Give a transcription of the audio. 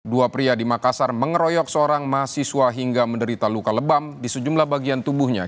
dua pria di makassar mengeroyok seorang mahasiswa hingga menderita luka lebam di sejumlah bagian tubuhnya